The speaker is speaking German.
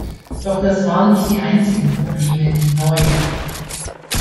Doch das waren nicht die einzigen Probleme, die Neu!